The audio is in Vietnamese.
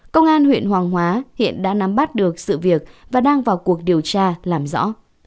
công an huyện hoàng hóa hiện đã nắm bắt được sự việc và đang vào cuộc điều tra làm rõ